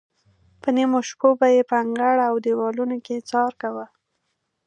په نیمو شپو به یې په انګړ او دیوالونو کې څار کاوه.